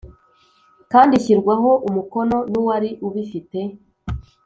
kandi ishyirwaho umukono n uwari ubifite